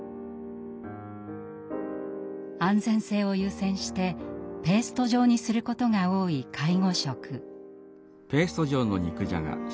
安全性を優先してペースト状にすることが多い介護食。